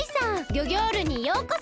ギョギョールにようこそ。